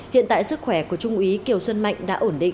hiện tại sức khỏe của trung úy kiều xuân mạnh đã ổn định